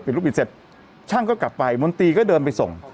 ลูกบิดเสร็จช่างก็กลับไปมนตรีก็เดินไปส่ง